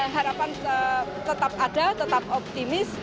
harapan tetap ada tetap optimis